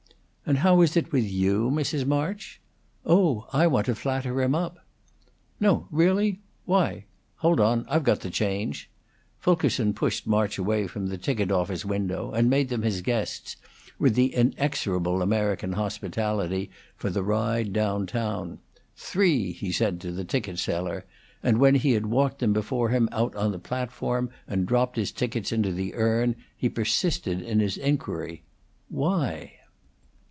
"And how is it with you, Mrs. March?" "Oh, I want to flatter him up." "No; really? Why? Hold on! I've got the change." Fulkerson pushed March away from the ticket office window; and made them his guests, with the inexorable American hospitality, for the ride down town. "Three!" he said to the ticket seller; and, when he had walked them before him out on the platform and dropped his tickets into the urn, he persisted in his inquiry, "Why?"